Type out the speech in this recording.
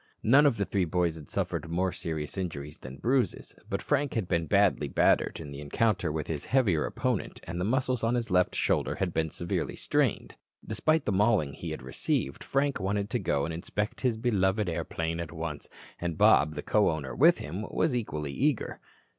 None of the three boys had suffered more serious injuries than bruises, but Frank had been badly battered in the encounter with his heavier opponent and the muscles of his left shoulder had been severely strained. Despite the mauling he had received, Frank wanted to go and inspect his beloved airplane at once and Bob, the co owner with him, was equally eager.